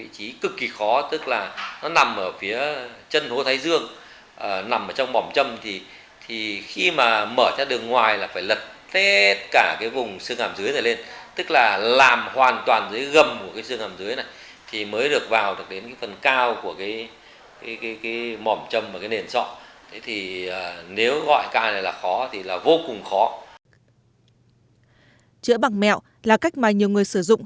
chữa bằng mẹo là cách mà nhiều người sử dụng